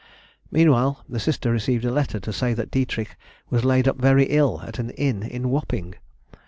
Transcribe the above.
Meanwhile the sister received a letter to say that Dietrich was laid up very ill at an inn in Wapping.